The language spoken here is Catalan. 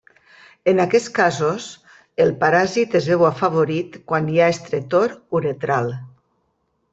En aquests casos, el paràsit es veu afavorit quan hi ha estretor uretral.